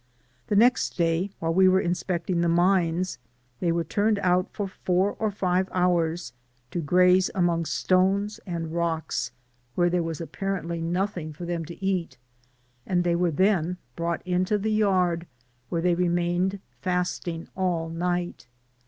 The third day, while we were inspecting the mines, they were turned out for four or five hours to graze among stones and rocks, where there was apparently nothing for them to eat, and they were then brought into the yard, where they remained Digitized byGoogk 64 GOLD M£KE5 OF tA CAEDLlfii fasting all night.